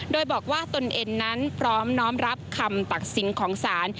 โดยบอกว่าตนเองนั้นพร้อมน้อมรับคำตัดสินของศาล